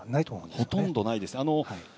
ほとんどないですね。